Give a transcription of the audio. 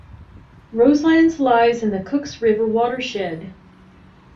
Roselands lies in the Cooks River watershed.